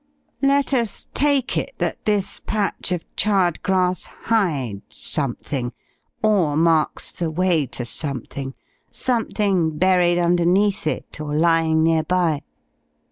"Let us take it that this patch of charred grass hides something, or marks the way to something, something buried underneath it, or lying near by.